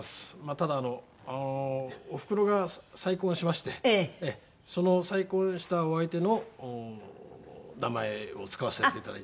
ただおふくろが再婚しましてその再婚したお相手の名前を使わせていただいてると。